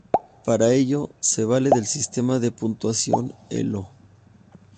Para ello, se vale del sistema de puntuación Elo.